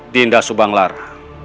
dinda subang lara